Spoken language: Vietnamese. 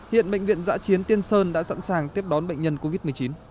hiện bệnh viện giã chiến tiên sơn đã sẵn sàng tiếp đón bệnh nhân covid một mươi chín